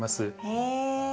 へえ。